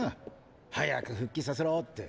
早く復帰させろーって。